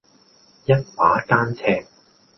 一把間尺